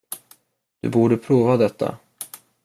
Du borde prova detta.